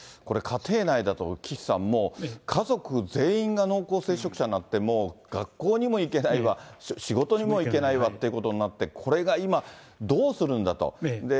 これ家庭内だと、岸さん、もう家族全員が濃厚接触者になって、もう学校にも行けないわ、仕事にも行けないわということになって、これが今、どうするんだと。